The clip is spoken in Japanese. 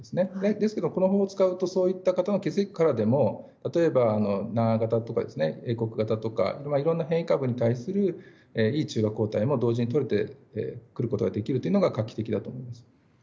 ですけど、これを使うとそういった方の血液からでも例えば南ア型とか、英国型とかいろんな変異株に対するいい中和抗体も同時にとれるのが画期的だと思います。